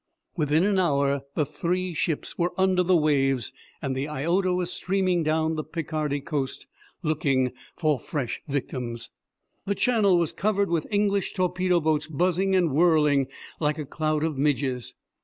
Within an hour the three ships were under the waves and the Iota was streaming down the Picardy coast, looking for fresh victims. The Channel was covered with English torpedo boats buzzing and whirling like a cloud of midges.